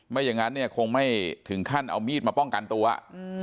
อย่างงั้นเนี่ยคงไม่ถึงขั้นเอามีดมาป้องกันตัวอืม